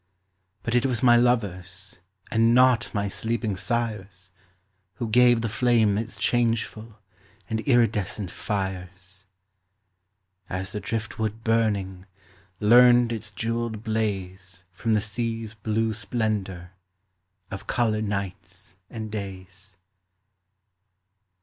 But it was my lovers, And not my sleeping sires, Who gave the flame its changeful And iridescent fires; As the driftwood burning Learned its jewelled blaze From the sea's blue splendor Of colored nights and days.